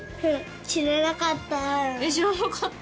知らなかった！